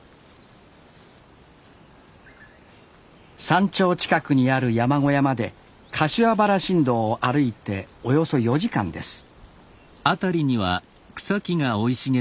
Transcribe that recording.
山頂近くにある山小屋まで柏原新道を歩いておよそ４時間です